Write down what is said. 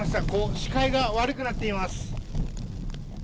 視界が悪くなっています。